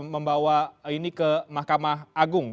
membawa ini ke mahkamah agung